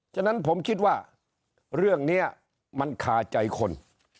ฉะนั้นผมคิดว่าเรื่องนี้มันคาใจคน